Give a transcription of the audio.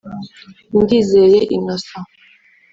Ndizeye Innocent